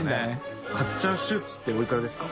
カツチャーシューっておいくらですか？